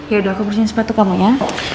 yaudah aku bersihin sepatu kamu ya